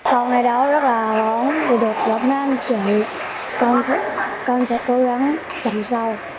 hôm nay đấu rất là ngon vì được gặp mấy anh chị con sẽ cố gắng chẳng sao